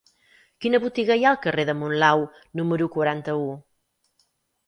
Quina botiga hi ha al carrer de Monlau número quaranta-u?